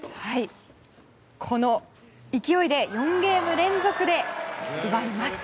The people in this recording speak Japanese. この勢いで４ゲーム連続で奪います。